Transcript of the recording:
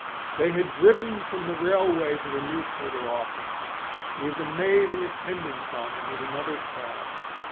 They had driven from the railway to the newspaper office with the maid in attendance on them in another cab.